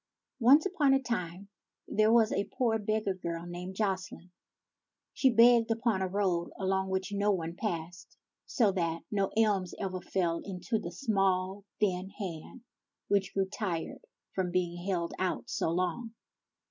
1 O NCE upon a time there was a poor beggar girl named Jocelyne. She begged upon a road along which no one passed, so that no alms ever fell into the small, thin hand which grew tired from being held out so long.